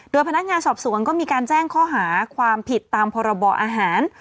พนักงานสอบสวนก็มีการแจ้งข้อหาความผิดตามพรบอาหาร